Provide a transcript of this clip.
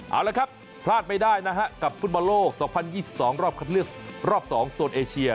เอาละครับพลาดไม่ได้นะฮะกับฟุตบอลโลก๒๐๒๒รอบคัดเลือกรอบ๒โซนเอเชีย